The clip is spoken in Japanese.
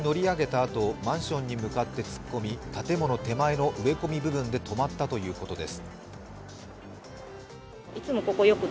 あとマンションに向かって突っ込み建物手前の植え込み部分で止まったということです。